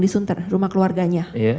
disunter rumah keluarganya